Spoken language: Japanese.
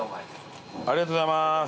ありがとうございます。